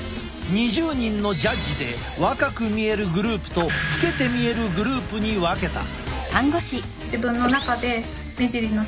２０人のジャッジで若く見えるグループと老けて見えるグループに分けた。